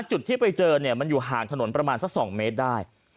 จุดที่ไปเจอเนี่ยมันอยู่ห่างถนนประมาณสัก๒เมตรได้